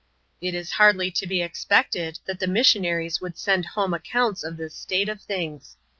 It is hardly to be expected, that the missionaries would send home accounts of this state of things.